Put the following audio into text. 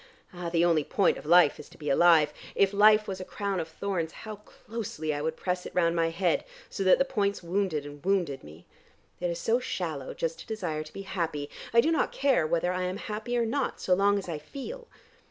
Ah, the only point of life is to be alive. If life was a crown of thorns, how closely I would press it round my head, so that the points wounded and wounded me. It is so shallow just to desire to be happy. I do not care whether I am happy or not, so long as I feel.